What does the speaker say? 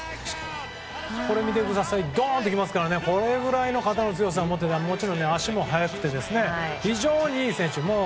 ドン！ってきますからこれぐらいの肩の強さを持っていて、もちろん足も速くて非常にいい選手。